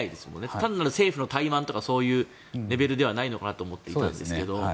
単なる政府の怠慢とかそういうレベルではないと思っていたんですけど。